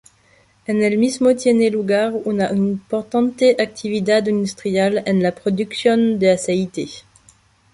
En el mismo tiene lugar una importante actividad industrial en la producción de aceite.